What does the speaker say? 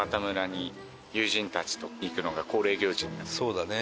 そうだね。